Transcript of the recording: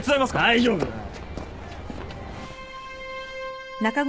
大丈夫だよ！